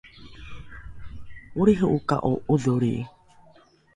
olriho’oka’o ’odholri?